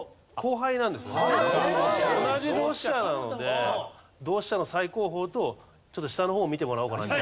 同じ同志社なので同志社の最高峰とちょっと下の方を見てもらおうかなと。